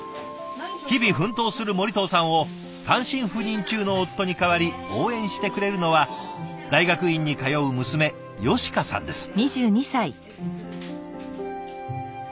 日々奮闘する森藤さんを単身赴任中の夫に代わり応援してくれるのは大学院に通う娘佳香さんです。